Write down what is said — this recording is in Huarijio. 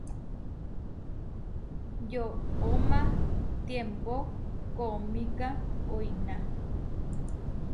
Yoʼomá tiembó koomíka oiná.